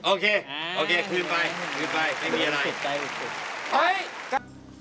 ออเคกลืนปลายไม่มีอะไร